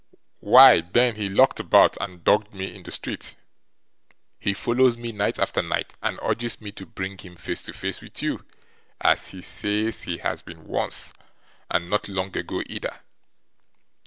Why, then he lurked about and dogged me in the street. He follows me, night after night, and urges me to bring him face to face with you; as he says he has been once, and not long ago either.